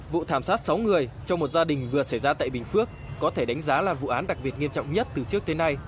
vụ thảm sát sáu người trong một gia đình vừa xảy ra tại bình phước có thể đánh giá là vụ án đặc biệt nghiêm trọng nhất từ trước tới nay